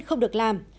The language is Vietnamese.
không được làm